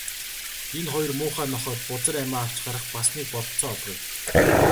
Энэ хоёр муухай нохойд бузар амиа авч гарах бас нэг бололцоо олгоё.